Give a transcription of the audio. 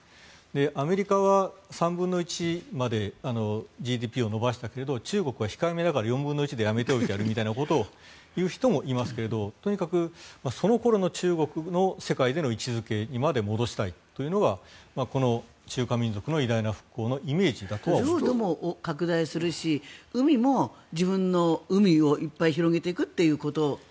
アメリカは３分の１までＧＤＰを伸ばしたけれど中国は控えめだから４分の１でやめておいてやるみたいなことを言う人もいますけどとにかくその頃の中国の世界での位置付けまで戻したいというのがこの中華民族の偉大な復興の領土でも拡大するし海も、自分の海をいっぱい広げていくということ？